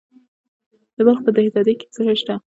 د بلخ په دهدادي کې څه شی شته؟